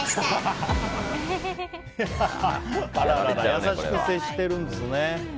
優しく接してるんですね。